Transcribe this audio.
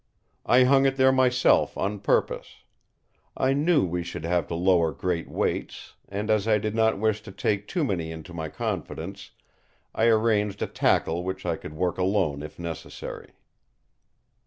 I hung it there myself on purpose. I knew we should have to lower great weights; and as I did not wish to take too many into my confidence, I arranged a tackle which I could work alone if necessary."